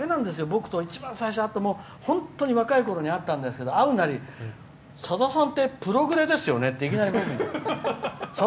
僕と一番最初に会って本当に若いとき会ったとき会うなり、さださんってプログレですよねっていきなり僕に。